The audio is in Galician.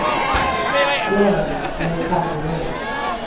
Lévame, meu carro, leva.